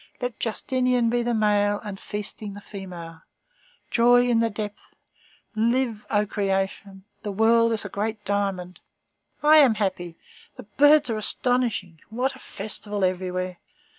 Let Justinian be the male, and Feasting, the female! Joy in the depths! Live, O creation! The world is a great diamond. I am happy. The birds are astonishing. What a festival everywhere!